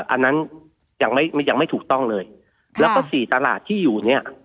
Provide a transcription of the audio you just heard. อันนั้นยังไม่ถูกต้องเลยแล้วก็สี่ตลาดที่อยู่